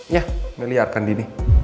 ya meliarkan dini